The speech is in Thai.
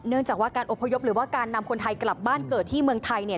เนื่องจากว่าการอบพยพหรือว่าการนำคนไทยกลับบ้านเกิดที่เมืองไทยเนี่ย